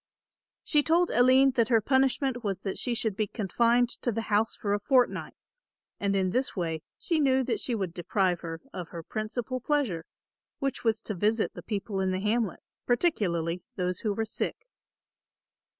She told Aline that her punishment was that she should be confined to the house for a fortnight and in this way she knew that she would deprive her of her principal pleasure, which was to visit the people in the hamlet, particularly those who were sick.